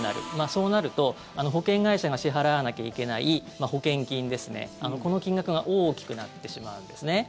そうなると、保険会社が支払わなきゃいけない保険金この金額が大きくなってしまうんですね。